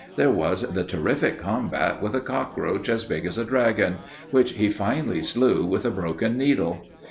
There was the terrific combat with a cockroach as big as a dragon, which he finally slew with a broken needle!